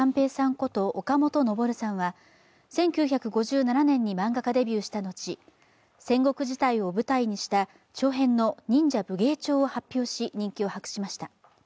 こと岡本登さんは１９５７年に漫画家デビューした後戦国時代を舞台にした長編の「忍者武芸帳」を発表し人気を博しました。